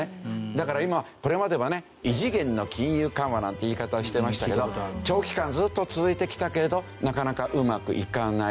だから今これまではね「異次元の金融緩和」なんて言い方をしてましたけど長期間ずっと続いてきたけれどなかなかうまくいかない。